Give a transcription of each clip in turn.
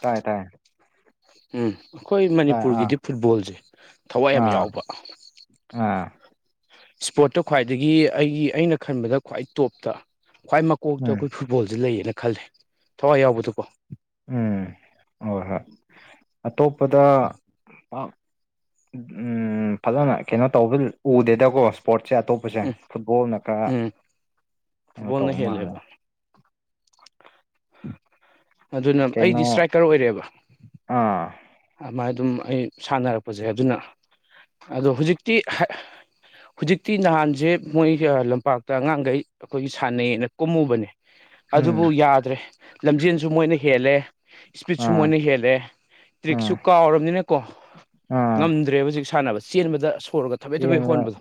ꯇꯥꯏ ꯇꯥꯏ ꯎꯝ ꯑꯩꯈꯣꯏ ꯇꯥꯏ ꯑꯥ ꯃꯅꯤꯄꯨꯔꯒꯤꯗꯤ ꯐꯨꯠꯕꯣꯜꯁꯦ ꯊꯋꯥꯏ ꯌꯥꯝ ꯑꯥ ꯌꯥꯎꯕ ꯑꯥ ꯏꯁꯄꯣꯔꯠꯇ ꯈ꯭ꯋꯥꯏꯗꯒꯤ ꯑꯩꯒꯤ ꯑꯩꯅ ꯈꯟꯕꯗ ꯈ꯭ꯋꯥꯏ ꯇꯣꯞꯇ ꯈ꯭ꯋꯥꯏ ꯃꯀꯣꯛꯇ ꯎꯝ ꯑꯩꯈꯣꯏ ꯕꯣꯜꯁꯦ ꯂꯩꯌꯦꯅ ꯈꯜꯂꯦ ꯊꯋꯥꯏ ꯌꯥꯎꯕꯗꯀꯣ ꯎꯝ ꯍꯣꯏ ꯍꯣꯏ ꯑꯇꯣꯞꯄꯗ ꯄꯥꯛ ꯎꯝ ꯐꯖꯅ ꯀꯩꯅꯣ ꯇꯧꯕ ꯎꯗꯦꯗꯀꯣ ꯏꯁꯄꯣꯔꯠꯁꯦ ꯑꯇꯣꯞ ꯄꯁꯦ ꯎꯝ ꯐꯨꯠꯕꯣꯜꯅ ꯈꯥꯔ ꯎꯝ ꯐꯨꯠꯕꯣꯜꯅ ꯍꯦꯜꯂꯦꯕ ꯑꯗꯨꯅ ꯀꯩꯅꯣ ꯑꯩꯗꯤ ꯏꯁꯇ꯭ꯔꯥꯏꯀꯔ ꯑꯣꯏꯔꯛꯑꯦꯕ ꯑꯥ ꯑꯗꯨꯃꯥꯏ ꯑꯗꯨꯝ ꯑꯩ ꯁꯥꯟꯅꯔꯛꯄꯁꯦ ꯑꯗꯨꯅ ꯑꯗꯣ ꯍꯧꯖꯤꯛꯇꯤ ꯍꯧꯖꯤꯛꯇꯤ ꯅꯍꯥꯟꯁꯦ ꯃꯣꯏ ꯂꯝꯄꯥꯛꯇ ꯑꯉꯥꯡꯈꯩ ꯑꯩꯈꯣꯏꯒꯤ ꯁꯥꯟꯅꯩꯌꯦꯅ ꯀꯨꯝꯃꯨꯕꯅꯦ ꯎꯝ ꯑꯗꯨꯕꯨ ꯌꯥꯗ꯭ꯔꯦ ꯂꯝꯖꯦꯟꯁꯨ ꯃꯣꯏꯅ ꯍꯦꯜꯂꯦ ꯏꯁꯄꯤꯠꯁꯨ ꯑꯥ ꯃꯣꯏꯅ ꯍꯦꯜꯂꯦ ꯑꯥ ꯇ꯭ꯔꯤꯛꯁꯨ ꯀꯥꯎꯔꯝꯅꯤꯅꯀꯣ ꯑꯥ ꯉꯝꯗ꯭ꯔꯦꯕ ꯍꯧꯖꯤꯛ ꯁꯥꯟꯅꯕ ꯆꯦꯟꯕꯗ ꯁꯣꯔꯒ ꯊꯕꯦꯠ ꯊꯕꯦꯠ ꯆꯦꯟꯕꯗ ꯍꯣꯟꯕꯗꯣ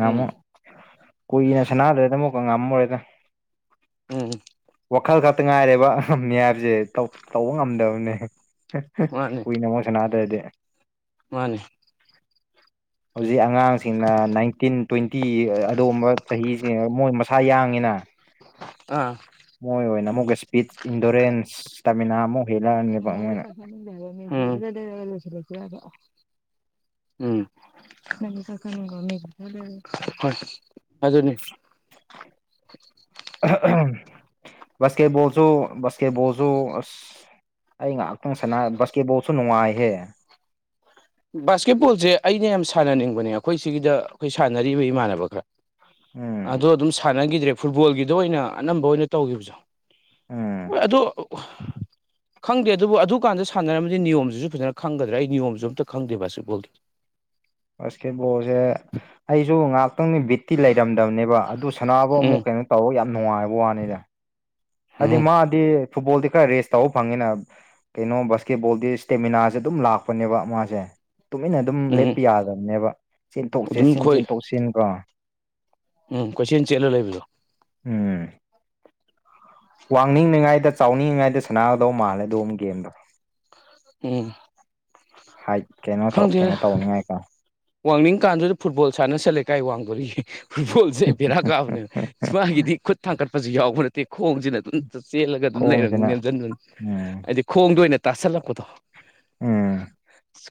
ꯎꯝ ꯀꯨꯏꯅ ꯁꯅꯥꯗ꯭ꯔꯦꯗ ꯑꯃꯨꯛꯀ ꯉꯥꯝꯃꯔꯣꯢꯗ ꯎꯝ ꯋꯥꯈꯜ ꯈꯛꯇ ꯉꯥꯏꯔꯦꯕ ꯃꯤ ꯍꯥꯏꯕꯁꯦ ꯇꯧꯕ ꯉꯝꯗꯕꯅꯦ ꯀꯨꯏꯅ ꯑꯃꯨꯛ ꯁꯅꯥꯗ꯭ꯔꯗꯤ ꯃꯥꯟꯅꯦ ꯍꯧꯖꯤꯛ ꯑꯉꯥꯡꯁꯤꯡꯅ ꯅꯥꯏꯟꯇꯤꯟ ꯇ꯭ꯋꯦꯟꯇꯤ ꯑꯗꯨꯒꯨꯝꯕ ꯆꯍꯤꯁꯦ ꯃꯣꯏ ꯃꯁꯥ ꯌꯥꯡꯉꯤꯅ ꯑꯥ ꯃꯣꯏ ꯑꯣꯏꯅ ꯑꯃꯨꯛꯀ ꯏꯁꯄꯤꯠ ꯏꯟꯗꯨꯔꯦꯟꯁ ꯏꯁꯇꯔꯃꯤꯅꯥ ꯑꯃꯨꯛ ꯍꯦꯜꯂꯛꯑꯅꯦꯕ ꯃꯣꯏꯅ [unintelligible] ꯎꯝ ꯍ‌ꯣꯏ ꯑꯗꯨꯅꯦ ꯕꯥꯁꯀꯦꯠꯕꯣꯜꯁꯨ ꯕꯥꯁꯀꯦꯠꯕꯣꯜꯁꯨ ꯑꯁ ꯑꯩ ꯉꯥꯏꯍꯥꯛꯇꯪ ꯁꯟꯅ ꯕꯥꯁꯀꯦꯠꯕꯣꯜꯁꯨ ꯅꯨꯡꯉꯥꯏꯍꯦ ꯕꯥꯁꯀꯦꯠꯕꯣꯜꯁꯦ ꯑꯩꯅ ꯌꯥꯝ ꯁꯥꯟꯅꯅꯤꯡꯕꯅꯦ ꯑꯩꯈꯣꯏ ꯁꯤꯒꯤꯗ ꯑꯩꯈꯣꯏ ꯁꯥꯟꯅꯔꯤꯕ ꯏꯃꯥꯟꯅꯕ ꯈꯔ ꯎꯝ ꯑꯗꯣ ꯑꯗꯨꯝ ꯁꯥꯟꯅꯈꯤꯗ꯭ꯔꯦ ꯐꯨꯠꯕꯣꯜꯒꯤꯗꯣ ꯑꯣꯏꯅ ꯑꯅꯝꯕ ꯑꯣꯏꯅ ꯇꯧꯈꯤꯕꯁꯨ ꯎꯝ ꯍꯣꯏ ꯑꯗꯣ ꯈꯪꯗꯦ ꯑꯗꯨꯕꯨ ꯑꯗꯨꯀꯥꯟꯗ ꯁꯥꯟꯅꯔꯝꯗꯤ ꯅꯤꯌꯣꯝꯁꯤꯁꯨ ꯐꯖꯅ ꯈꯪꯒꯗ꯭ꯔꯥ ꯑꯩ ꯅꯤꯌꯣꯝꯁꯨ ꯑꯝꯇ ꯈꯪꯗꯦ ꯕꯥꯁꯀ‌ꯦꯠꯕ‌ꯣꯜꯗꯤ ꯕꯥꯁꯀꯦꯠꯕꯣꯜꯁꯦ ꯑꯩꯁꯨ ꯉꯥꯏꯍꯥꯛꯇꯪꯗꯤ ꯕꯤꯠꯇꯤ ꯂꯩꯔꯝꯗꯕꯅꯦꯕ ꯑꯗꯨ ꯁꯅꯥꯕꯨ ꯎꯝ ꯑꯃꯨꯛ ꯀꯩꯅꯣ ꯇꯧꯔ ꯌꯥꯝ ꯅꯨꯡꯉꯥꯏꯕꯩ ꯋꯥꯅꯤꯗ ꯍꯥꯏꯗꯤ ꯎꯝ ꯃꯥꯗꯤ ꯐꯨꯠꯕꯣꯜꯗꯤ ꯈꯔ ꯔꯦꯁ ꯇꯧꯕ ꯐꯪꯉꯤꯅ ꯀꯩꯅꯣ ꯕꯥꯁꯀꯦꯠꯕꯣꯜꯗꯤ ꯏꯁꯇꯦꯃꯤꯅꯥꯁꯦ ꯑꯗꯨꯝ ꯂꯥꯛꯄꯅꯦꯕ ꯃꯥꯁꯦ ꯇꯨꯃꯤꯟꯅ ꯑꯗꯨꯝ ꯎꯝ ꯂꯦꯞꯄ ꯌꯥꯗꯕꯅꯦꯕ ꯆꯦꯟꯊꯣꯛ ꯑꯗꯨꯝ ꯆꯦꯟꯁꯤꯟ ꯑꯩꯈꯣꯏ ꯆꯦꯟꯊꯣꯛ ꯆ‌ꯦꯟꯁꯤꯟꯀꯣ ꯎꯝ ꯀꯣꯏꯆ‌ꯦꯟ ꯆꯦꯟꯂ ꯂꯩꯕꯗꯣ ꯎꯝ ꯋꯥꯡꯅꯤꯡꯏꯉꯥꯏꯗ ꯆꯥꯎꯅꯤꯡꯏꯉꯥꯏꯗ ꯁꯅꯥꯒꯗꯧ ꯃꯥꯜꯂꯦ ꯑꯗꯨꯒꯨꯝꯕ ꯒꯦꯝꯗꯣ ꯎꯝ ꯍꯥꯏ ꯀꯩꯅꯣ ꯇꯧ ꯈꯪꯗꯦ ꯀꯩꯅꯣ ꯇꯧꯅꯤꯉꯥꯏꯀꯣ ꯋꯥꯡꯅꯤꯡ ꯀꯥꯟꯗꯨꯗ ꯐꯨꯠꯕꯣꯜ ꯁꯥꯟꯅꯁꯤꯜꯂꯦ ꯀꯥꯏ ꯋꯥꯡꯗꯣꯔꯤꯒꯤ ꯐꯨꯠꯕꯣꯜꯁꯦ ꯕꯦꯔꯥ ꯀꯥꯕꯅꯦꯃ‌ꯦ ꯃꯥꯒꯤꯗꯤ ꯈꯨꯠ ꯊꯥꯡꯒꯠꯄꯁꯨ ꯌꯥꯎꯕ ꯅꯠꯇꯦ ꯈꯣꯡꯁꯤꯅ ꯑꯗꯨꯗ ꯆꯦꯜꯂꯒ ꯑꯗꯨꯝ ꯂꯩꯔꯝꯅꯤꯅ ꯈꯣꯡꯁꯤꯅ ꯅꯦꯝꯖꯟꯕ‌ꯗ‌ꯣ ꯎꯝ ꯍꯥꯏꯗꯤ ꯈꯣꯡꯗ ꯑꯣꯏꯅ ꯇꯥꯁꯜꯂꯛꯄꯗꯣ ꯎꯝ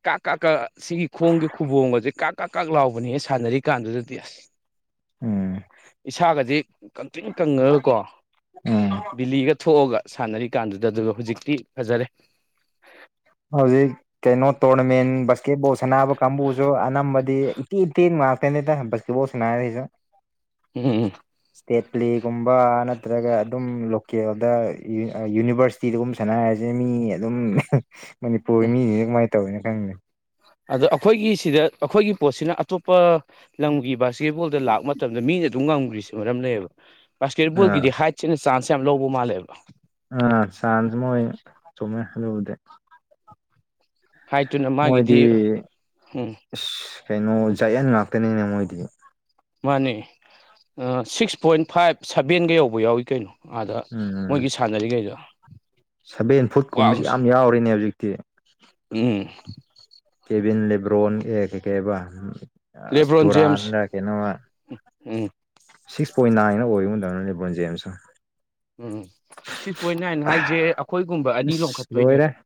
ꯀꯥꯛ ꯀꯥꯛ ꯀ ꯁꯤꯒꯤ ꯈꯣꯡꯒꯤ ꯈꯨꯕꯣꯡꯒꯁꯦ ꯀꯥꯛ ꯀꯥꯛ ꯀꯥꯛ ꯂꯥꯎꯕꯅꯦꯍ‌ꯦ ꯁꯥꯟꯅꯔꯤꯀꯥꯟꯗꯨꯗꯗꯤ ꯑꯁ ꯎꯝ ꯏꯁꯥꯒꯁꯤ ꯀꯪꯇꯔꯤꯡ ꯀꯪꯉꯒꯀꯣ ꯎꯝ ꯕꯤꯂꯤꯒ ꯊꯣꯛꯑꯒ ꯁꯥꯟꯅꯔꯤꯀꯥꯟꯗꯨꯗ ꯑꯗꯨꯒ ꯍꯧꯖꯤꯛꯇꯤ ꯐꯖꯔꯦ ꯍꯧꯖꯤꯛ ꯀꯩꯅꯣ ꯇꯣꯔꯅꯃꯦꯟ ꯕꯥꯁꯀꯦꯠꯕꯣꯜ ꯁꯥꯟꯅꯕ ꯀꯥꯡꯕꯨꯁꯨ ꯑꯅꯝꯕꯗꯤ ꯏꯇꯦꯟ ꯇ‌ꯦꯟꯂ‌ꯦ ꯇ‌ꯦꯟꯕ ꯉꯥꯛꯇꯅꯤꯗ ꯕꯥꯁꯀꯦꯠꯕꯣꯜ ꯁꯟꯅꯔꯤꯁꯨ ꯎꯝ ꯎꯝ ꯎꯝ ꯏꯁꯇꯦꯠ ꯄꯂꯦꯒꯨꯝꯕ ꯅꯠꯇ꯭ꯔꯒ ꯑꯗꯨꯝ ꯀꯦꯜꯗ ꯌꯨꯅꯤꯚꯔꯁꯤꯇꯤꯗꯒꯨꯝ ꯁꯥꯟꯅꯔꯤꯁꯦ ꯃꯤ ꯑꯗꯨꯝ ꯃꯅꯤꯄꯨꯔꯒꯤ ꯃꯤꯁꯤꯡꯁꯦ ꯀꯃꯥꯏꯅ ꯇꯧꯋꯤꯅ‌ꯣ ꯈꯪꯗ‌ꯦ ꯑꯗꯣ ꯑꯩꯈꯣꯏꯒꯤ ꯁꯤꯗ ꯑꯩꯈꯣꯏꯒꯤ ꯄꯣꯠꯁꯤꯅ ꯑꯇꯣꯞꯄ ꯂꯝꯒꯤ ꯕꯥꯁꯀꯦꯠꯕꯣꯜꯗ ꯂꯥꯛꯄ ꯃꯇꯝꯗ ꯃꯤꯅ ꯑꯗꯨꯝ ꯉꯝꯈꯔꯤꯁꯦ ꯃꯔꯝ ꯂꯩꯌꯦꯕ ꯕꯥꯁꯀꯦꯠꯕꯣꯜꯒꯤꯗꯤ ꯑꯥ ꯍꯥꯏꯠꯁꯤꯅ ꯆꯥꯡꯁ ꯌꯥꯝ ꯂꯧꯕ ꯃꯥꯜꯂꯦꯕ ꯑꯥ ꯆꯥꯡꯁ ꯃ‌ꯣꯏ ꯆꯨꯝꯃꯦ ꯑꯗꯨꯕꯨꯗꯤ ꯍꯥꯏꯠꯇꯨꯅ ꯃꯣꯏꯗꯤ ꯃꯥꯒꯤꯗꯤ ꯎꯝ ꯏꯁ ꯀꯩꯅꯣ ꯖꯌꯦꯟ ꯉꯥꯛꯇꯅꯤꯅꯦ ꯃꯣꯏꯗꯤ ꯃꯥꯅꯦ ꯑ ꯁꯤꯛꯁ ꯄꯣꯏꯟ ꯐꯥꯏꯚ ꯁꯕꯦꯟꯒ ꯌꯧꯕ ꯌꯥꯎꯋꯤ ꯀꯩꯅꯣ ꯑꯥꯗ ꯎꯝ ꯃꯣꯏꯒꯤ ꯁꯥꯟꯅꯔꯤꯈꯩꯗꯣ ꯁꯚꯦꯟ ꯋꯥꯡ ꯐꯨꯠꯀꯨꯝꯕꯁꯤ ꯌꯥꯝ ꯌꯥꯎꯔ‌ꯦꯅꯦ ꯍꯧꯖꯤꯛꯇꯤ ꯎꯝ ꯀꯦꯕꯤꯟ ꯂꯦꯕ꯭ꯔꯣꯟ ꯑꯦ ꯀꯩꯀꯩꯕ ꯑꯁ ꯂꯦꯕ꯭ꯔꯣꯟ ꯖꯦꯝꯁ ꯇꯨꯔꯥꯟ꯭ꯔ ꯀꯩꯅꯣ ꯎꯝ ꯁꯤꯛꯁ ꯄꯣꯏꯟ ꯅꯥꯏꯅ ꯑꯣꯏꯒꯨꯝ ꯇꯧꯕꯅ‌ꯦ ꯅꯤꯕꯣꯟ ꯖ‌ꯦꯝꯁ ꯇ‌ꯣ ꯎꯝ ꯁꯤꯛꯁ ꯄꯣꯏꯟ ꯅꯥꯏꯟ ꯍꯥꯏꯁꯦ ꯑꯩꯈꯣꯏꯒꯨꯝꯕ ꯑꯅꯤ ꯑꯁ ꯂꯣꯏꯔꯦ ꯂꯣꯟꯈꯠꯇꯣꯏꯅꯦꯕ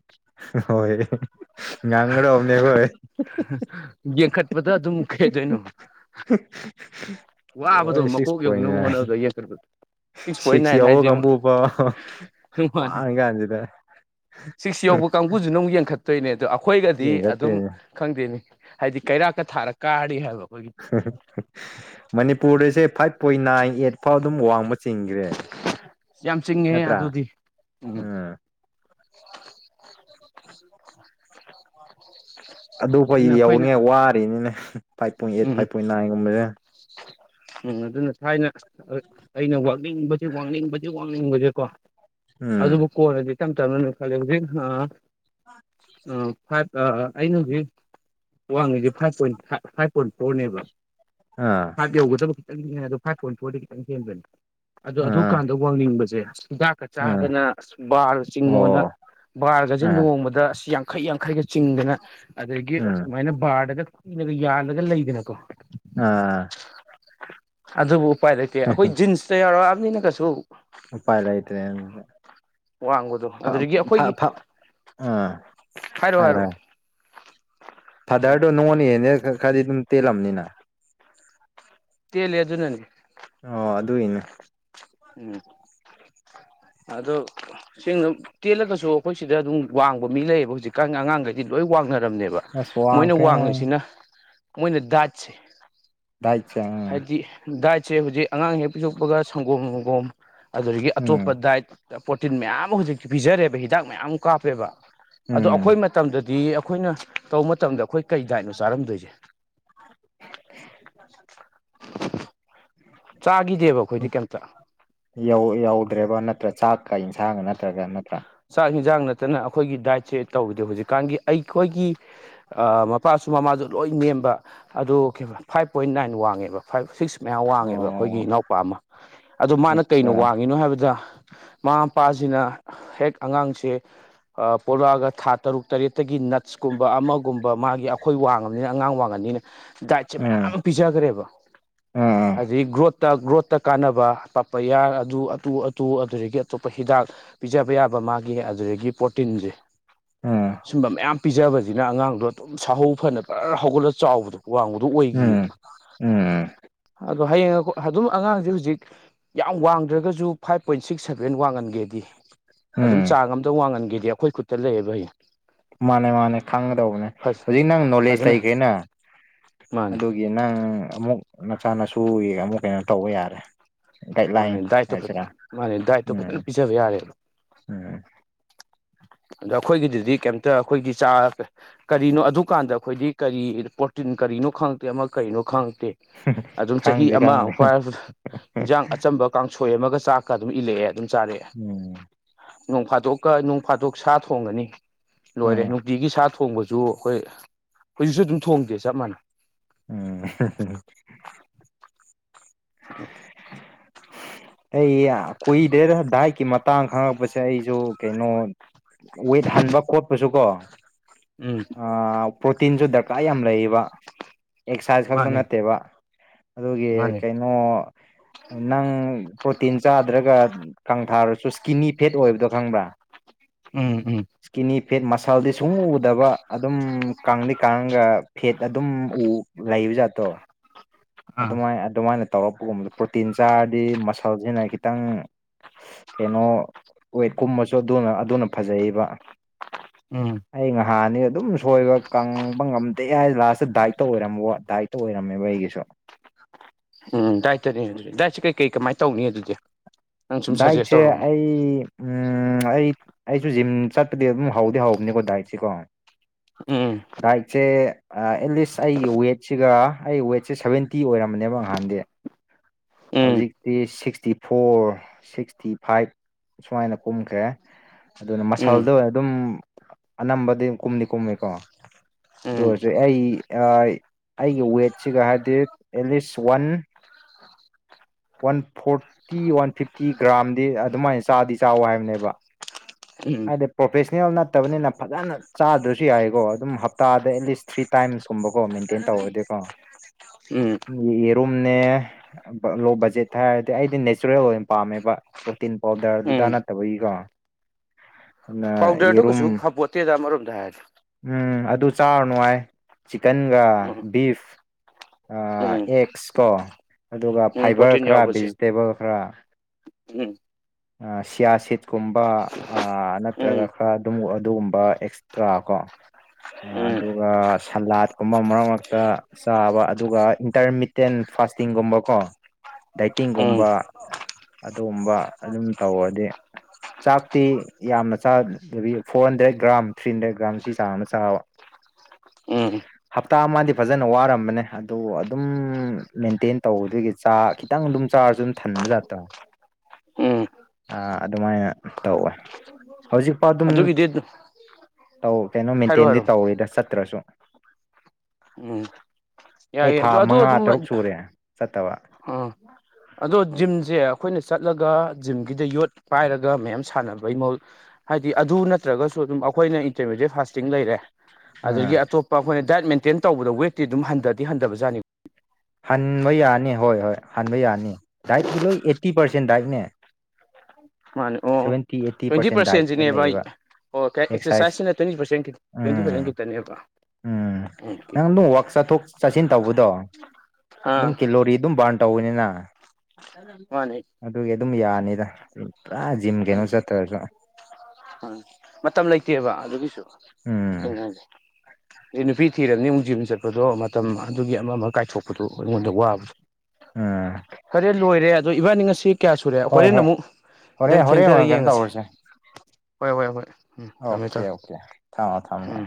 ꯍꯣꯏ ꯉꯥꯡꯒꯗꯧꯕꯅꯦ ꯑꯩꯈꯣꯏ ꯌꯦꯡꯈꯠꯄꯗ ꯑꯗꯨꯝ ꯀꯩꯗꯣꯏꯅꯣ ꯋꯥꯕꯗꯣ ‌ꯂ‌ꯣꯏꯔ‌ꯦ ꯁꯤꯛꯁ ꯃꯀꯣꯛ ꯄꯣꯏꯟ ꯌꯧꯅꯕ ꯅꯥꯏꯟ [unintelligible] ꯄꯣꯏꯟ ꯅꯥꯏꯟ ꯁꯤꯤꯁꯤꯣ ꯍꯥꯏꯁꯦ ꯀꯝꯕꯨ ꯄ ꯃꯥꯅꯦ ꯋꯥꯉꯅꯤꯖꯗꯦ ꯁꯤꯛꯁ ꯌꯧꯕ ꯀꯥꯡꯕꯨꯁꯨꯅ ꯑꯃꯨꯛ ꯌꯦꯡꯈꯠꯇꯣꯏꯅꯦ ꯑꯗꯣ ꯑꯩꯈꯣꯏꯒꯗꯤ ꯑꯗꯨꯝ ꯌꯦꯡꯈꯠꯇꯣꯏꯅꯦ ꯈꯪꯗꯦꯅꯦ ꯍꯥꯏꯗꯤ ꯀꯩꯔꯥꯛꯀ ꯊꯥꯔ ꯀꯥꯔꯤ ꯍꯥꯏꯕ ꯑꯩꯈꯣꯏꯒꯤ ꯃꯅꯤꯄꯨꯔꯗꯁꯦ ꯐꯥꯏꯚ ꯄꯣꯏꯟ ꯅꯥꯏꯟ ꯑꯩꯠ ꯐꯥꯎ ꯑꯗꯨꯝ ꯋꯥꯡꯕ ꯆꯤꯡꯈ꯭ꯔꯦ ꯌꯥꯝ ꯆꯤꯡꯉꯦ ꯅꯠꯇ꯭ꯔꯥ ꯑꯗꯨꯗꯤ ꯎꯝ [unintelligible] ꯑꯗꯨ ꯐ ꯑꯗꯨꯅ ꯑꯩꯈꯣꯏꯅ ꯌꯧꯅꯤꯉꯥꯏ ꯋꯥꯔꯤꯅꯤꯅꯦ ꯐꯥꯏꯚ ꯄꯣꯏꯟ ꯑꯩꯠ ꯎꯝ ꯐꯥꯏꯚ ꯄꯣꯏꯟ ꯅꯥꯏꯟꯒꯨꯝꯕꯁꯅ ꯎꯝ ꯑꯗꯨꯅ ꯊꯥꯏꯅ ꯑꯩꯅ ꯋꯥꯥꯛꯅꯤꯡꯕꯁꯤ ꯋꯥꯡꯅꯤꯡꯕꯕꯁꯤ ꯈꯪꯅꯤꯡꯕꯁꯦꯀꯣ ꯎꯝ ꯑꯗꯨꯕꯨ ꯀꯣꯟꯜꯂꯗꯤ ꯇꯞ ꯇꯞꯅꯅꯦ ꯈꯂꯦ ꯍꯧꯖꯤꯛ ꯑꯥ ꯑ ꯐꯥꯏꯚ ꯑꯩꯅ ꯍꯧꯖꯤꯛ ꯋꯥꯡꯉꯤꯁꯤꯦ ꯐꯥꯏꯚ ꯄꯣꯏꯟꯥꯏꯚ ꯐꯥꯏꯚ ꯄꯨꯟ ꯇꯣꯛꯅꯦꯕ ꯑꯥ ꯚ ꯌꯧꯒꯗꯕ ꯈꯤꯇꯪ ꯑꯗꯣ ꯐꯥꯏꯚ ꯄꯣꯏꯟ ꯐꯣꯔꯗ ꯈꯤꯇꯪ ꯍꯦꯟꯕꯣꯏꯅꯤ ꯑꯗꯣ ꯑꯗꯨ ꯑꯥ ꯀꯥꯟꯗ ꯋꯥꯡꯅꯤꯡꯕꯁꯦ ꯍꯤꯗꯥꯛ ꯑꯥ ꯀꯆꯥꯥꯗꯅ ꯑꯁ ꯕꯥꯔꯒ ꯆꯤꯡꯉꯣꯅ ꯑꯣ ꯕꯥꯔꯒꯁꯦ ꯑꯥ ꯅꯣꯡꯃꯗ ꯑꯁ ꯌꯥꯡꯈꯩ ꯌꯥꯡꯈꯩꯒ ꯆꯤꯡꯗꯅ ꯑꯗꯒꯤ ꯎꯝ ꯑꯁꯨꯃꯥꯏꯅ ꯕꯥꯔꯗꯒ ꯀꯨꯏꯅꯥꯒ ꯌꯥꯜꯂꯒ ꯂꯩꯗꯅꯀꯣ ꯑꯥ ꯑꯗꯨꯕꯨ ꯎꯄꯥꯏ ꯂꯩꯇꯦ ꯑꯩꯈꯣꯏ ꯖꯤꯟꯁꯇ ꯌꯥꯎꯔꯛꯑꯕꯅꯤꯅ ꯀꯩꯁꯨ ꯎꯄꯥꯏ ꯂꯩꯇꯔꯦ ꯋꯥꯡꯕꯗꯣ ꯑꯗꯨꯗꯒꯤ ꯑꯩꯈꯣꯏꯒꯤ ꯍꯥꯏꯔꯣ ꯍꯥꯏꯔꯣ [unintelligible] ꯑꯣ ꯊꯥꯗꯔꯗꯣ ꯅꯉꯣꯟꯅ ꯍꯦꯟꯅ ꯈ ꯈꯔꯗꯤ ꯑꯗꯨꯝ ꯇꯦꯜꯂꯝꯅꯤꯅ ꯇꯦꯟꯂꯦ ꯑꯗꯨꯅꯅꯦ ꯑꯣ ꯑꯗꯨꯏꯅꯦ ꯎꯝ ꯑꯗꯣ ꯁꯤ ꯇꯦꯜꯂꯒꯁꯨ ꯑꯩꯈꯣꯏ ꯁꯤꯗ ꯑꯗꯨꯝ ꯋꯥꯡꯕ ꯃꯤ ꯂꯩꯌꯦꯕ ꯍꯧꯖꯤꯛꯀꯥꯟꯒꯤ ꯑꯉꯥꯡꯈꯩꯗꯤ ꯂꯣꯏ ꯋꯥꯡꯅꯔꯝꯅꯦꯕ ꯑꯁ ꯃꯣꯏꯅ ꯋꯥꯡꯈ꯭ꯔꯦ ꯃꯣꯏ ꯋꯥꯡꯉꯤꯁꯤꯅ ꯃꯣꯏꯅ ꯗꯥꯠꯁꯦ ꯗꯥꯏꯠ ꯆꯪ ꯍꯥꯏꯗꯤ ꯗꯥꯏꯠꯁꯦ ꯍꯧꯖꯤꯛ ꯑꯉꯥꯡ ꯍꯦꯛ ꯄꯤꯊꯣꯛꯄꯒ ꯁꯪꯒꯣꯝ ꯁꯪꯒꯣꯝ ꯑꯗꯨꯗꯒꯤ ꯎꯝ ꯑꯇꯣꯞꯄ ꯗꯥꯏꯠ ꯄ꯭ꯔꯣꯇꯤꯟ ꯃꯌꯥꯝ ꯑꯃ ꯍꯧꯖꯤꯛꯇꯤ ꯄꯤꯖꯔꯦꯕ ꯍꯤꯗꯥꯛ ꯃꯌꯥꯝ ꯑꯃ ꯀꯥꯞꯄꯦꯕ ꯑꯗꯣ ꯎꯝ ꯑꯩꯈꯣꯏ ꯃꯇꯝꯗꯗꯤ ꯑꯩꯈꯣꯏꯅ ꯇꯧꯕ ꯃꯇꯝꯗ ꯑꯩꯈꯣꯏ ꯀꯩ ꯗꯥꯏꯠꯅꯣ ꯆꯥꯔꯝꯗꯣꯏꯁꯦ [unintelligible] ꯆꯥꯈꯤꯗꯦꯕ ꯑꯩꯈꯣꯏꯗꯤ ꯀꯩꯝ ꯆ ꯌꯧꯗ꯭ꯔꯦꯕ ꯅꯠꯇ꯭ꯔꯥ ꯆꯥꯛꯀ ꯏꯟꯁꯥꯡꯒ ꯅꯠꯇ꯭ꯔꯒ ꯅꯠꯇ꯭ꯔꯥ ꯆꯥꯛ ꯌꯦꯟꯁꯥꯡ ꯅꯠꯇꯅ ꯑꯩꯈꯣꯏꯒꯤ ꯗꯥꯏꯠꯁꯦ ꯇꯧꯕꯗꯦ ꯍꯧꯖꯤꯛꯀꯥꯟꯒꯤ ꯑꯩꯈꯣꯏꯒꯤ ꯃꯄꯥꯁꯨ ꯃꯃꯥꯁꯨ ꯂꯣꯏ ꯅꯦꯝꯕ ꯑꯗꯨ ꯐꯥꯏꯚ ꯄꯣꯏꯟ ꯅꯥꯏꯟ ꯋꯥꯡꯉꯦꯕ ꯐꯥꯏꯚ ꯁꯤꯛꯁ ꯃꯌꯥꯝ ꯋꯥꯡꯉꯦꯕ ꯑꯩꯈꯣꯏꯒꯤ ꯑꯣ ꯏꯅꯥꯎꯄꯥ ꯑꯃ ꯑꯗꯣ ꯃꯥꯅ ꯀꯩꯅꯣ ꯑꯠꯆꯥ ꯋꯥꯡꯉꯤꯅꯣ ꯍꯥꯏꯕꯗ ꯃꯃꯥ ꯃꯄꯥꯁꯤꯅ ꯍꯦꯛ ꯑꯉꯥꯡꯁꯦ ꯄꯣꯛꯂꯛꯑꯒ ꯊꯥ ꯇꯔꯨꯛ ꯇꯔꯦꯠꯇꯒꯤ ꯅꯠꯁꯀꯨꯝꯕ ꯑꯃꯒꯨꯝꯕ ꯃꯥꯒꯤ ꯑꯩꯈꯣꯏ ꯋꯥꯡꯉꯕꯅꯤꯅ ꯑꯉꯥꯡ ꯋꯥꯡꯉꯅꯤꯅ ꯗꯥꯏꯇꯁꯦ ꯃꯥꯌꯥꯝ ꯎꯝ ꯑꯃꯥ ꯄꯤꯖꯥ ꯈꯔꯦꯕ ꯎꯝ ꯑꯗꯗꯒꯤ ꯒ꯭ꯔꯣꯠꯇ ꯒ꯭ꯔꯣꯠꯇ ꯀꯥꯟꯅꯕ ꯄꯥꯄꯥꯌꯥ ꯑꯗꯨ ꯑꯗꯨ ꯑꯗꯨ ꯑꯗꯨꯗꯒꯤ ꯑꯇꯣꯞꯄ ꯍꯤꯗꯥꯛ ꯄꯤꯖꯕ ꯌꯥꯕ ꯃꯥꯒꯤ ꯑꯗꯨꯗꯒꯤ ꯄ꯭ꯔꯣꯇꯤꯟꯁꯦ ꯎꯝ ꯁꯨꯝꯕ ꯃꯌꯥꯝ ꯄꯤꯖꯕꯖꯦ ꯑꯗꯨꯅ ꯑꯉꯥꯡꯗꯣ ꯑꯗꯨꯝ ꯁꯥꯍꯧ ꯐꯥꯅ ꯄꯔꯔ ꯍꯧꯒꯠꯂꯒ ꯆꯥꯎꯕꯗꯣ ꯋꯥꯡꯕꯗꯣ ꯑꯣꯏꯈꯤꯕ ꯎꯝ ꯎꯝ ꯑꯗꯣ ꯍꯌꯦꯡ ꯑꯗꯨꯝ ꯑꯉꯥꯡꯁꯦ ꯍꯧꯖꯤꯛ ꯌꯥꯝ ꯋꯥꯡꯗ꯭ꯔꯒꯁꯨ ꯐꯥꯏꯚ ꯄꯣꯏꯟ ꯁꯤꯛ ꯁꯚꯦꯟ ꯋꯥꯡꯍꯟꯒꯦꯗꯤ ꯑꯗꯨꯝ ꯎꯝ ꯆꯥꯡ ꯑꯝꯇ ꯋꯥꯡꯍꯟꯒꯦꯗꯤ ꯑꯩꯈꯣꯏ ꯈꯨꯠꯇ ꯂꯩꯌꯦꯕ ꯍꯌꯦꯡ ꯃꯥꯅꯦ ꯃꯥꯅꯦ ꯈꯪꯒꯗꯧꯕꯅꯦ ꯍꯧꯖꯤꯛ ꯅꯪ ꯅꯣꯂꯦꯖ ꯐꯖꯅ ꯂꯩꯈ꯭ꯔꯦꯅ ꯃꯥꯅꯦ ꯑꯗꯨꯒꯤ ꯑꯗꯨꯒꯤ ꯅꯪ ꯑꯃꯨꯛ ꯅꯆꯥ ꯅꯁꯨꯒꯤ ꯑꯃꯨꯛ ꯀꯩꯅꯣ ꯇꯧꯕ ꯌꯥꯔꯦ ꯒꯥꯏꯗꯂꯥꯏꯟ ꯃꯥꯅꯦ ꯗꯥꯏꯠꯇꯣ ꯍꯥꯏꯁꯤꯔꯥ ꯐꯖꯅ ꯃꯥꯅꯦ ꯗꯥꯏꯠꯇꯣ ꯐꯖꯅ ꯎꯝ ꯄꯤꯖꯕ ꯌꯥꯔꯦꯕ ꯎꯝ ꯑꯗ ꯑꯩꯈꯣꯏꯒꯤꯗꯨꯗꯤ ꯀꯩꯝꯇ ꯑꯩꯈꯣꯏꯒꯤ ꯆꯥ ꯀꯔꯤꯅꯣ ꯑꯗꯨꯀꯥꯟꯗ ꯑꯩꯈꯣꯏꯗꯤ ꯀꯔꯤ ꯄ꯭ꯔꯣꯇꯤꯟ ꯀꯔꯤꯅꯣ ꯈꯪꯉꯛꯇꯦ ꯑꯃ ꯀꯔꯤꯅꯣ ꯈꯪꯉꯛꯇꯦ ꯑꯗꯨꯝ ꯆꯍꯤ ꯈꯪꯗꯦ ꯑꯃ ꯈꯪꯗꯦ ꯏꯟꯖꯥꯡ ꯑꯆꯝꯕ ꯀꯥꯡꯁꯣꯏ ꯑꯃꯒ ꯆꯥꯛꯀ ꯑꯗꯨꯝ ꯏꯜꯂꯛꯑꯦ ꯑꯗꯨꯝ ꯆꯥꯔꯛꯑꯦ ꯎꯝ ꯅꯣꯡ ꯐꯥꯗꯣꯛꯀꯥ ꯅꯣꯡ ꯐꯥꯗꯣꯛ ꯁꯥ ꯊꯣꯡꯉꯅꯤ ꯂꯣꯏꯔꯦ ꯎꯝ ꯅꯨꯡꯇꯤꯒꯤ ꯁꯥ ꯊꯣꯡꯕꯁꯨ ꯑꯩꯈꯣꯏ ꯍꯧꯖꯤꯛꯁꯨ ꯑꯗꯨꯝ ꯊꯣꯡꯗꯦ ꯆꯞ ꯃꯥꯟꯅꯩ ꯎꯝ [inaudible] ꯑꯩ ꯀꯨꯏꯗꯦꯗ ꯗꯥꯏꯠꯀꯤ ꯃꯇꯥꯡ ꯈꯪꯉꯛꯄꯁꯦ ꯑꯩꯁꯨ ꯀꯩꯅꯣ ꯋꯦꯠ ꯍꯟꯕ ꯈꯣꯠꯄꯁꯨ ꯀꯣ ꯎꯝ ꯑꯥ ꯄ꯭ꯔꯣꯇꯤꯟꯁꯨ ꯗꯔꯀꯥꯔ ꯌꯥꯝ ꯂꯩꯌꯦꯕ ꯑꯦꯛꯁꯥꯏꯖ ꯈꯛꯇ ꯃꯥꯅꯦ ꯅꯠꯇꯦꯕ ꯑꯗꯨꯒꯤ ꯃꯥꯅꯦ ꯀꯩ ꯑꯣ ꯅꯪ ꯄ꯭ꯔꯣꯇꯤꯟ ꯆꯥꯗ꯭ꯔꯒ ꯀꯡ ꯊꯥꯔꯁꯨ ꯁ꯭ꯀꯤꯅꯤ ꯐꯦꯠ ꯑꯣꯏꯕꯗꯣ ꯈꯪꯕ꯭ꯔꯥ ꯎꯝ ꯎꯝ ꯏꯁꯀꯤꯅꯤ ꯐꯦꯠ ꯃꯁꯜꯗꯤ ꯁꯨꯡꯎ ꯎꯗꯕꯥ ꯑꯗꯨꯝ ꯀꯥꯡꯗꯤ ꯀꯥꯡꯉꯒ ꯐꯦꯠ ꯑꯗꯨꯝ ꯎ ꯂꯩꯕ ꯖꯥꯠꯇꯣ ꯑꯥ ꯑꯗꯨꯃꯥꯏ ꯑꯗꯨꯃꯥꯏꯅ ꯇꯧꯔꯛꯄꯒꯨꯝꯕꯗꯨꯟ ꯄ꯭ꯔꯣꯇꯤꯟ ꯆꯥꯔꯗꯤ ꯃꯁꯜꯁꯤꯅ ꯈꯤꯇꯪ ꯀꯩꯅꯣ ꯋꯦꯠ ꯀꯨꯝꯕꯁꯨ ꯑꯗꯨꯅ ꯑꯗꯨꯅ ꯐꯖꯩꯌꯦꯕꯥ ꯎꯝ ꯑꯩ ꯉꯍꯥꯟꯅꯤ ꯑꯗꯨꯝ ꯁꯣꯏꯕ ꯀꯪꯕ ꯉꯝꯗꯦ ꯌꯥꯏ ꯂꯥꯁꯇ ꯗꯥꯏꯠꯇ ꯑꯣꯏꯔꯝꯕꯣ ꯗꯥꯏꯠꯇ ꯑꯣꯏꯔꯝꯃꯦꯕ ꯑꯩꯒꯤꯁꯨ [inaudible] ꯎꯝ ꯗꯥꯏꯠꯇꯅꯦ ꯑꯗꯨꯗꯤ ꯗꯥꯏꯠꯁꯦ ꯀꯩ ꯀꯩ ꯀꯃꯥꯏꯅ ꯇꯧꯅꯤ ꯑꯗꯨꯗꯤ ꯅꯪ ꯁꯨꯝ ꯁꯖꯦꯁ ꯗꯥꯏꯠꯁꯦ ꯇꯧꯔꯛꯎꯅꯦ ꯑꯩ ꯎꯝ ꯑꯩ ꯑꯩꯁꯨ ꯖꯤꯝ ꯆꯠꯄꯗꯤ ꯑꯗꯨꯝ ꯍꯧꯗꯤ ꯍꯧꯕꯅꯤꯀꯣ ꯗꯥꯏꯠꯁꯤꯀꯣ ꯎꯝ ꯗꯥꯏꯠꯆꯦ ꯑꯦꯠꯂꯤꯁ ꯑꯩꯒꯤ ꯋꯦꯠꯁꯤꯒ ꯑꯩ ꯋꯦꯠꯁꯦ ꯁꯕꯦꯟꯇꯤ ꯑꯣꯏꯔꯝꯕꯅꯦꯕ ꯅꯍꯥꯟꯗꯤ ꯎꯝ ꯍꯧꯖꯤꯛꯇꯤ ꯁꯤꯛꯁꯇꯤ ꯐꯣꯔ ꯁꯤꯛꯁꯇꯤ ꯐꯥꯏꯚ ꯁꯨꯃꯥꯏꯅ ꯀꯨꯝꯈ꯭ꯔꯦ ꯑꯗꯨꯅ ꯎꯝ ꯃꯁꯜꯗ ꯑꯗꯨꯝ ꯑꯅꯝꯕꯗꯤ ꯀꯨꯝꯗꯤ ꯀꯨꯝꯃꯤꯀꯣ ꯑꯗꯨ ꯑꯣꯏꯔꯁꯨ ꯑꯩ ꯑꯩꯒꯤ ꯋꯦꯠꯁꯤꯒ ꯍꯥꯏꯔꯗꯤ at least one one forty one fifty ꯒ꯭ꯔꯥꯝꯗꯤ ꯑꯗꯨꯃꯥꯏꯅ ꯆꯥꯗꯤ ꯆꯥꯎꯋ ꯍꯥꯏꯕꯅꯦꯕ ꯎꯝ ꯍꯥꯏꯗꯤ ꯄ꯭ꯔꯣꯐꯦꯁꯅꯦꯜ ꯅꯠꯇꯕꯅꯤꯅ ꯐꯖꯅ ꯆꯥꯗ꯭ꯔꯁꯨ ꯌꯥꯏꯀꯣ ꯑꯗꯨꯝ ꯍꯞꯇꯥꯗ ꯑꯦꯠꯂꯤꯁ ꯊ꯭ꯔꯤ ꯇꯥꯏꯝꯁꯀꯨꯝꯕꯀꯣ ꯃꯦꯟꯇꯦꯟ ꯇꯧꯔꯗꯤꯀꯣ [unintelligible] ꯑꯦꯔꯨꯝꯅꯦ ꯕꯥ ꯂꯣ ꯕꯠ ꯖꯦꯠ ꯊꯥꯔꯗꯤ ꯑꯩꯗꯤ ꯅꯦꯆꯔꯦꯜ ꯑꯣꯏꯅ ꯄꯥꯝꯃꯦꯕ ꯄ꯭ꯔꯣꯇꯤꯟ ꯄꯥꯎꯗꯔ ꯑꯗꯨꯗ ꯅꯠꯇꯕꯒꯤꯀꯣ ꯑꯗꯨꯅ ꯄꯥꯎꯗꯔꯗꯨ ꯌꯦꯔꯨꯝ ꯀꯩꯁꯨ ꯐꯄꯣꯠꯇꯦꯗ ꯑꯃꯔꯣꯝꯗ ꯍꯥꯏꯔ꯭ꯗꯤ ꯎꯝ ꯑꯗꯨ ꯆꯥꯔꯨꯅꯨ ꯍꯥꯏ ꯆꯤꯛꯀꯟꯒ ꯎꯝ ꯕꯤꯐ ꯑꯥ ꯎꯝ ꯑꯦꯛꯁ ꯀꯣ ꯑꯗꯨꯒ ꯎꯝ ꯐꯥꯏꯕꯔ ꯄ꯭ꯔꯣꯇꯤꯟ ꯈꯔ ꯌꯥꯎꯕꯁꯦ ꯚꯤꯖꯤꯇꯦꯕꯜ ꯈꯔ ꯎꯝ ꯑꯥ ꯁꯤꯌꯥ ꯁꯤꯠꯀꯨꯝꯕ ꯑ ꯅꯠꯇ꯭ꯔꯒ ꯎꯝ ꯈꯔ ꯑꯗꯨꯝ ꯑꯗꯨꯒꯨꯝꯕ ꯑꯦꯛꯁ ꯇ꯭ꯔꯥ ꯀꯣ ꯎꯝ ꯑꯗꯨꯒ ꯁꯂꯥꯠꯀꯨꯝꯕ ꯃꯔꯛ ꯃꯔꯛꯇ ꯆꯥꯕ ꯑꯗꯨꯒ ꯏꯟꯇꯔꯃꯤꯇꯦꯟ ꯐꯥꯁꯇꯤꯡꯒꯨꯝꯕꯀꯣ ꯎꯝ ꯗꯥꯏꯇꯤꯡꯒꯨꯝꯕ ꯑꯗꯨꯒꯨꯝꯕ ꯑꯗꯨꯝ ꯇꯧꯔꯗꯤ [unintelligible] ꯆꯥꯛꯇꯤ ꯌꯥꯝꯅ ꯆꯥꯗꯕꯤ ꯐꯣꯟ ꯗꯦꯠ ꯒ꯭ꯔꯥꯝ ꯊ꯭ꯔꯤ ꯍꯟꯗ꯭ꯔꯦꯠ ꯒ꯭ꯔꯥꯝ ꯁꯤ ꯆꯥꯡꯅ ꯆꯥꯕ ꯎꯝ ꯍꯞꯇꯥ ꯑꯃꯗꯤ ꯐꯖꯅ ꯋꯥꯔꯝꯕꯅꯦ ꯑꯗꯣ ꯑꯗꯨꯝ ꯃꯦꯟꯇꯦꯟ ꯇꯧꯗꯣꯏꯒꯤ ꯆꯥ ꯈꯤꯇꯪ ꯑꯗꯨꯝ ꯆꯥꯔꯁꯨ ꯊꯟꯕꯖꯥꯠꯇꯣ ꯎꯝ ꯑꯥ ꯑꯗꯨꯃꯥꯏꯅ ꯇꯧꯋꯦ ꯍꯧꯖꯤꯛ ꯑꯗꯨꯝ ꯑꯗꯨꯒꯤꯗꯤ ꯇꯧ ꯀꯩꯅꯣ ꯍꯥꯏꯔꯣ ꯃꯦꯟꯇꯦꯟꯗꯤ ꯍꯥꯏꯔꯣ ꯇꯧꯔꯤꯗ ꯆꯠꯇ꯭ꯔꯁꯨ ꯎꯝ ꯑꯩ ꯌꯥꯏꯑꯌꯦ ꯊꯥ ꯑꯗꯨ ꯑꯗꯨ ꯃꯉꯥ ꯑꯗꯨꯝ ꯇꯔꯨꯛ ꯁꯨꯔꯦ ꯆꯠꯇꯕ ꯎꯝ ꯑꯗꯣ ꯖꯤꯝꯁꯦ ꯑꯩꯈꯣꯏꯅ ꯆꯠꯂꯒ ꯖꯤꯝꯒꯤꯗ ꯌꯣꯠ ꯄꯥꯏꯔꯒ ꯃꯌꯥꯝ ꯁꯥꯟꯅꯕꯩ ꯃꯍꯨꯠ ꯍꯥꯏꯗꯤ ꯑꯗꯨ ꯅꯠꯇ꯭ꯔꯒꯁꯨ ꯑꯗꯨꯝ ꯑꯩꯈꯣꯏꯅ ꯏꯟꯇꯔꯃꯦꯗꯤꯦꯠ ꯐꯥꯁꯇꯤꯡ ꯂꯩꯔꯦ ꯑꯥ ꯑꯗꯒꯤ ꯑꯇꯣꯞꯄ ꯑꯩꯈꯣꯏꯅ ꯗꯥꯏꯠ ꯃꯦꯟꯇꯦꯟ ꯇꯧꯕꯗ ꯋꯦꯠꯇꯤ ꯑꯗꯨꯝ ꯍꯟꯊꯗꯤ ꯍꯟꯊꯕꯖꯥꯅꯤ ꯍꯟꯕ ꯌꯥꯅꯤ ꯍꯣꯏ ꯍꯣꯏ ꯍꯟꯕ ꯌꯥꯅꯤ ꯗꯥꯏꯠꯀꯤ ꯂꯣꯏ ꯑꯩꯠꯇꯤ ꯄꯥꯔꯁꯦꯟ ꯗꯥꯏꯠꯅꯦ ꯃꯥꯅꯦ ꯑꯣ ꯁꯚꯦꯟꯇꯤ ꯑꯩꯠꯇꯤ ꯇ꯭ꯋꯦꯟꯇꯤ ꯄꯥꯔꯁꯦꯟ ꯗꯥꯏꯠꯇ ꯄꯥꯔꯁꯦꯟꯁꯤꯅꯦ ꯚꯥꯏ ꯂꯩꯌꯦꯕ ꯑꯣ ꯑꯦꯛꯁꯔꯁꯥꯏꯁ ꯑꯦꯛꯁꯔꯁꯥꯏꯁꯁꯤꯅ ꯇ꯭ꯋꯦꯟꯇꯤ ꯄꯔ ꯇ꯭ꯋꯦꯟꯇꯤ ꯎꯝ ꯄꯔꯁꯦꯟ ꯇꯅꯦꯕ ꯎꯝ ꯅꯪ ꯑꯗꯨꯝ ꯋꯥꯛ ꯆꯠꯊꯣꯛ ꯆꯠꯁꯤꯟ ꯇꯧꯕꯗꯣ ꯑꯗꯨꯝ ꯑꯥ ꯀꯤꯂꯣꯔꯤ ꯑꯗꯨꯝ ꯕꯥꯔꯟ ꯇꯧ ꯇꯧꯅꯤꯅ ꯃꯥꯅꯦ ꯑꯗꯨꯒꯤ ꯑꯗꯨꯝ ꯌꯥꯅꯤꯗ ꯖꯤꯝ ꯀꯩꯅꯣ ꯎꯝ ꯆꯠꯇ꯭ꯔꯁꯨ ꯎꯝ ꯃꯇꯝ ꯂꯩꯇꯦꯕ ꯑꯗꯨꯒꯤꯁꯨ ꯎꯝ ꯍꯦ ꯐꯤ ꯊꯤꯔꯕꯅꯤ ꯑꯃꯨꯛ ꯖꯤꯕꯟ ꯆꯠꯄꯗꯣ ꯃꯇꯝ ꯑꯗꯨꯒꯤ ꯑꯃ ꯑꯃ ꯀꯥꯏꯊꯣꯛꯄꯗꯨꯣ ꯑꯩꯉꯣꯟꯗ ꯋꯥꯕꯗ ꯑ ꯈꯔꯦ ꯂꯣꯏꯔꯦ ꯑꯗꯣ ꯏꯕꯥꯅꯤ ꯉꯁꯤ ꯀꯌꯥ ꯁꯨꯔꯦ ꯍꯣꯏ ꯍꯣꯔꯦꯟ ꯍꯣꯏ ꯑꯃꯨꯛ ꯍꯣꯔꯦꯟ ꯈꯤꯇꯪ ꯍꯣꯔꯦꯟ ꯊꯦꯡꯊꯔ ꯑꯣꯏꯅ ꯀꯩꯅꯣ ꯌꯦꯡꯉꯁꯦ ꯇꯧꯔꯁꯦ ꯍꯣꯏ ꯍꯣꯏ ꯍꯣꯏ ꯎꯝ ꯊꯃꯦ ꯑꯣꯀꯦ ꯆ ꯑꯣꯀꯦ ꯊꯝꯃꯣ ꯊꯝꯃꯣ ꯎꯝ